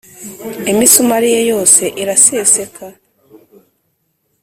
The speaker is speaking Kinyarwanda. Imisumari ye yose iraseseka